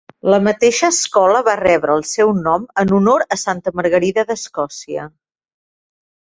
La mateixa escola va rebre el seu nom en honor a Santa Margarida de Escòcia.